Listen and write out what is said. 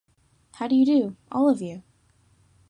How do you do, all of you?